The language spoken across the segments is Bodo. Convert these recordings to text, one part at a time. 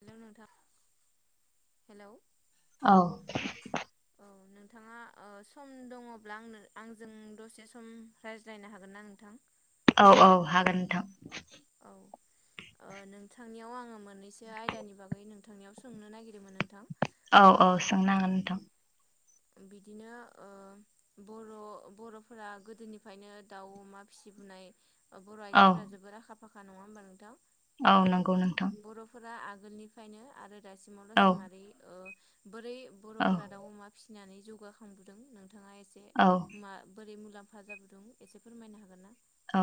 हेलौ नोंथां हेलौ औ औ नोंथाङा ओ‌ सम दङब्ला आंनो आंजों दसे सम रायज्लायनो हागोन ना नोंथां? औ औ हागोन नोंथां औ ओ नोंथांनियाव आङो मोननैसो आयदानि बागै नों नोंथांनियाव सोंनो नागिरदोंमोन नोंथां। औ औ ओ सोंनो हागोन नोंथां। बिदिनो ओ‌ बर' बर'फोरा गोदोनिफ्रायनो दाउ अमा फि थिबुनाय बर' औ आइजोफोरा जोबोर आखा फाखा नङा होमबा नोंथां ओ औ नंगौ नोंथां बर'फोरा आगोलनिफ्रायनो आरो औ दासिमावलासै मारै ओ बोरै औ बर'फोरा दाउ अमा फि नानै जौगाखांबोदों नोंथाङा एसे औ मा बोरै मुलाम फाजा बुदुं एसे फोरमायनो हागोन ना औ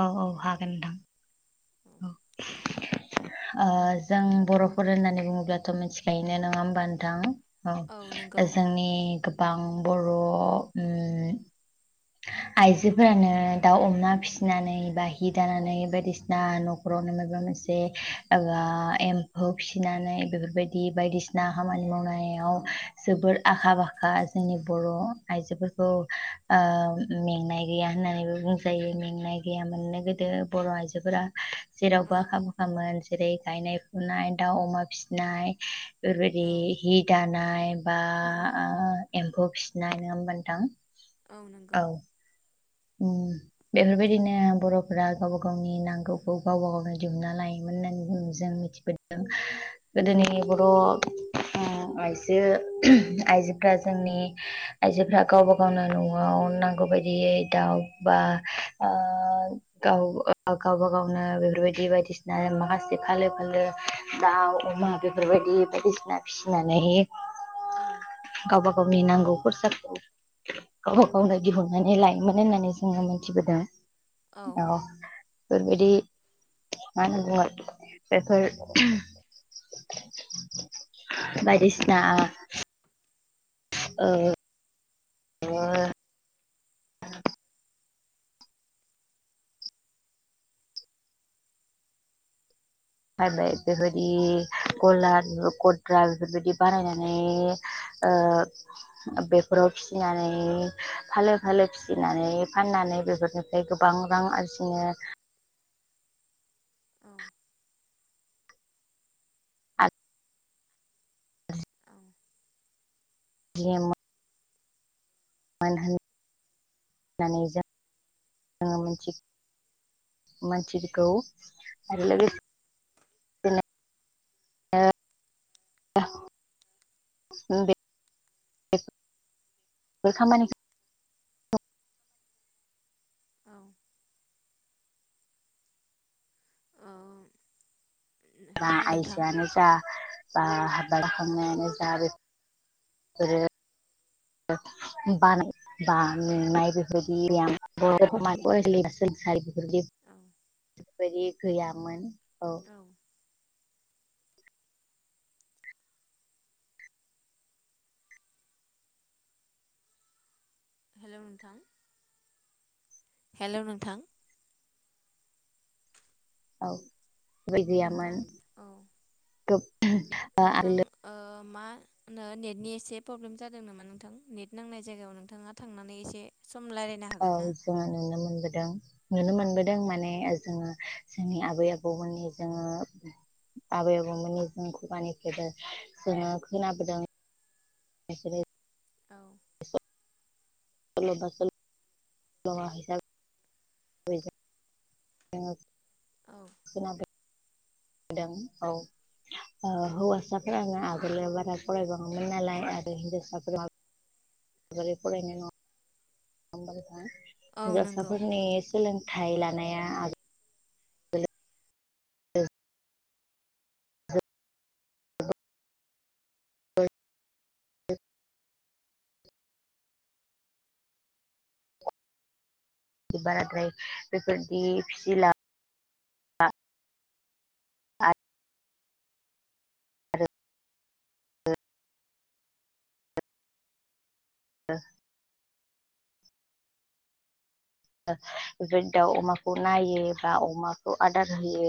औ औ हागोन नोंथां औ ओ जों बर'फोर होननानै बुङोब्लाथ' मिथिखायोन नङा होमबा नोंथां औ जोंनि गोबां बर' उम [inaudible] आइजोफोरानो दाउ अमना फिनानै बा हि दानानै बायदिसिना न'खरावनो माबानै से एबा एम्फौ फिनानै बेफोरबायदि बायदिसिना खामानि मावनायाव आव जोबोर आखा फाखा जोंनि बर' आइजोफोरखौ मेंनाय गैया होननानैबो बुंजायो मेंनाय गैया मोननो गोदो बर' आइजोफोरा औ जेरावबो आखा खामोन जेरै गायनाय फुनाय दाउ अमा फिनाय बेफोरबायदि औ हि दानाय बा आ आ एम्फौ फिसिनाय नङा होमबा नोंथां औ नंगौ उम बेफोरबायदिनो बर'फोरा गावबा गावनि नांगौखौ गावबा गावनो दिहुनना लायोमोन होननानै हुम जों मिथिबोथदों औ गोदोनि बर' [inaudible] आइजो आइजोफ्रा जोंनि आइजोफ्रा गावबा गावनो न'आव नांगौ बायदियै दाउ बा ओ गाव ओ गावबा गावनो बेफोरबायदि बायदिसिना माखासे फालो फालो दाउ अमा बेफोरबायदि बायदिसिना फिसिनानै औ गावबा गावनि नांगौ खरसाखौ गावबा गावनो दिहुननानै लायो मोनो होननानै जोंओ मोनथिबोदों औ। बेफोरबायदि मा होनना बुङो बेफोर। बायदिसिना आ। ओ ओ। [unintelligible] बायबाय बेफोरबायदि गलाद गद्रा बेफोरबायदि बानायनानै। ओ बेफोराव फिसिनानै फालो फालो फिसिनानै फाननानै। बेफोरनिफ्राय गोबां रां आरजिनो। औ [unintelligible] मानो होन। नानै जों [unintelligible] मिथिगौ मानसिखौ। आरो औ लोगोसे। [unintelligible] बे खामानिखौ। औ औ बा हेलौ नोंथां आइजोआनो जा बा आबाद औ होनायानो जा बे। [unintelligible] बा मेंनाय बेरबादि [unintelligible] [unintelligible] औ बेफोरबायदि गैयामोन औ। हेल' नोंथां हेल' नोंथां। औै बेबादि गैयामोन नोंथां औ [unintelligible] आ। नोंथां ओ मा होनो नेटनि एसे प्रब्लेम जादों नामा नोंथां नेट नांनाय जायगायाव नोंथाङा थांनानै एसे। सम रायलायनो औ हागोन ना? जोंओ नुनो मोनबोदों। नुनो मोनबोदों माने जोङो जोंनि आबै आबौमोननि जोंङो आबै आबौमोननि जों खुगानिफ्राय दा जोंओ खोनाबोदों। बेसोरो औ ए [unintelligible] ह [unintelligible] औ खोनादो नुदों औ। ओ हौवासाफोरानो आगोलाव बारा फरायबाङामोन नालाय आरो हिनजावसाफोरा। माबोरै फरायनाय नङा होमबा नोंथां। औ नंगौ हिनजावसाफोरनि सोलोंथाइ लानाया आगोल ओ [unintelligible] बाराद्राय बेफोरदि फिसिला। आरो ओ। बेफोर दाउ अमाखौ नायो बा अमाखौ आदार होयो।